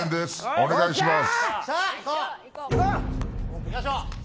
お願いします。